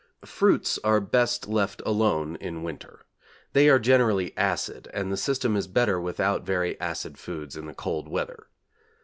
Fruits are best left alone in winter. They are generally acid, and the system is better without very acid foods in the cold weather.